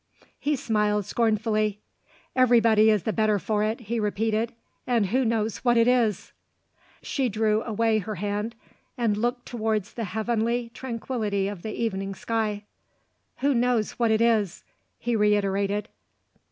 He smiled scornfully. "Everybody is the better for it," he repeated. "And who knows what it is?" She drew away her hand, and looked towards the heavenly tranquillity of the evening sky. "Who knows what it is?" he reiterated.